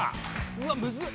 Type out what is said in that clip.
うわっむずっ！